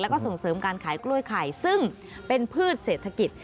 แล้วก็ส่งเสริมการขายกล้วยไข่ซึ่งเป็นพืชเศรษฐกิจ